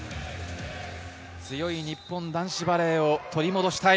強い日本男子バレーを取り戻したい。